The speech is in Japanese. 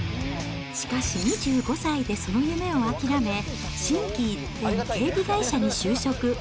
しかし２５歳でその夢を諦め、心機一転、警備会社に就職。